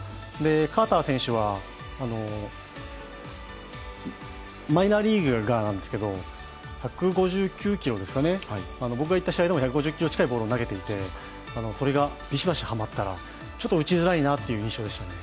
カーター選手は、マイナーリーグでなんですけれども、１５９キロですかね、僕が行った試合でも１５０キロ近い球を投げていてそれがビシバシはまったら、ちょっと打ちづらいなという印象でしたね。